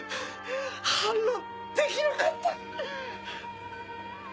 反論できなかった。